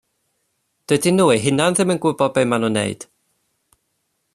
Dydyn nhw eu hunain ddim yn gwybod be maen nhw'n neud.